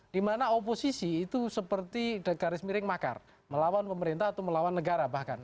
dimana oposisi itu seperti garis miring makar melawan pemerintah atau melawan negara bahkan